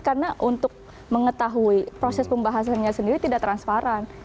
karena untuk mengetahui proses pembahasannya sendiri tidak transparan